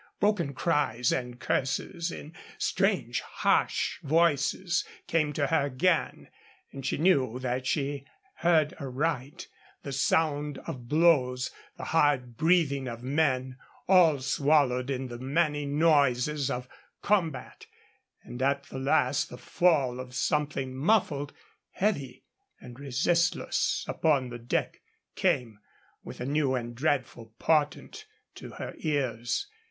Broken cries and curses in strange, harsh voices came to her again, and she knew that she heard aright; the sound of blows, the hard breathing of men, all swallowed in the many noises of the combat, and at the last the fall of something muffled, heavy, and resistless upon the deck came with a new and dreadful portent to her ears.